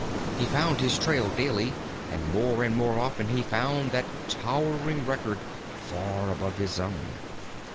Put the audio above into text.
He found his trail daily, and more and more often he found that towering record far above his own.